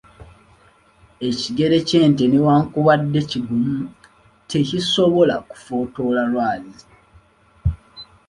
Ekigere ky'ente newankubadde kigumu, tekisobola kufootola lwazi.